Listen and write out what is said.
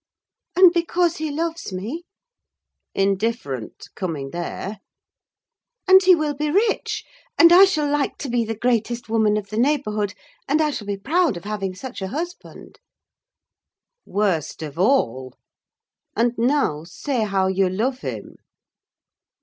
"And because he loves me." "Indifferent, coming there." "And he will be rich, and I shall like to be the greatest woman of the neighbourhood, and I shall be proud of having such a husband." "Worst of all. And now, say how you love him?"